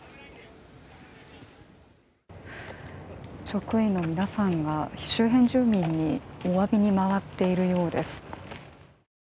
職員の皆さんが、周辺住民にお詫びに回っているようです。